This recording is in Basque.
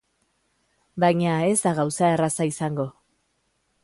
Baina ez gauza erraza izango.